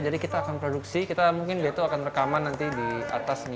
jadi kita akan produksi mungkin beto akan rekaman nanti di atas di depan